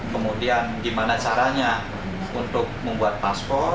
kemudian gimana caranya untuk membuat paspor